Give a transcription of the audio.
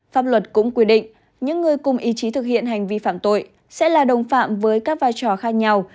pháp luật cũng quy định những người cùng ý chí thực hiện hành vi phạm tội sẽ là đồng phạm với các vai trò khác nhau